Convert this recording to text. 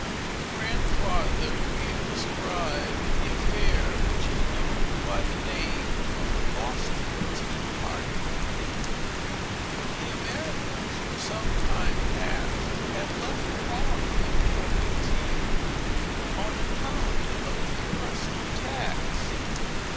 Grandfather here described the affair, which is known by the name of the Boston Tea Party. The Americans, for some time past, had left off importing tea, on account of the oppressive tax.